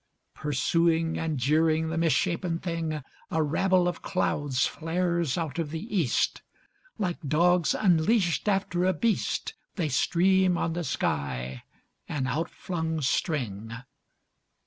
Pursuing and jeering the misshapen thing A rabble of clouds flares out of the east. Like dogs unleashed After a beast, They stream on the sky, an outflung string.